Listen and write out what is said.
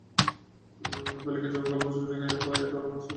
পলিকে জবাই করার পাশাপাশি পায়েও ধারালো অস্ত্রের আঘাতের চিহ্ন দেখা গেছে।